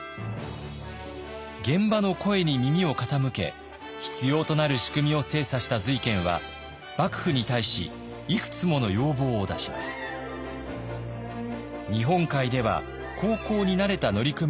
現場の声に耳を傾け必要となる仕組みを精査した瑞賢は幕府に対しいくつもの要望を出します。などです。